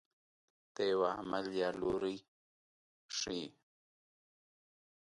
د یوه عمل یا لوری ښيي.